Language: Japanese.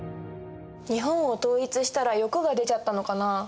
日本を統一したら欲が出ちゃったのかな？